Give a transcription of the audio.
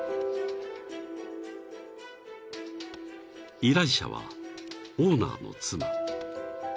［依頼者はオーナーの妻］